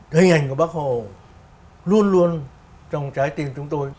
hình ảnh của bác hồ luôn luôn trong trái tim chúng tôi